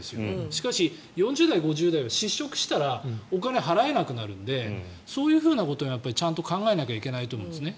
しかし４０代、５０代が失職したらお金を払えなくなるのでそういうことをちゃんと考えないといけないと思うんですね。